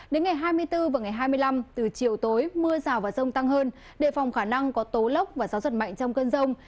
đến ngày hai mươi bốn và ngày hai mươi năm từ chiều tối mưa rào và rông tăng hơn đề phòng khả năng có tố lốc và gió giật mạnh trong cơn rông